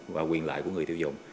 và quyền loại của người tiêu dụng